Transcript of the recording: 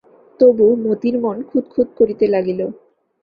তবু মতির মন খুঁতখুঁত করিতে লাগিল।